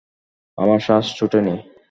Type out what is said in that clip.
আমার শ্বাস ছোটেনি।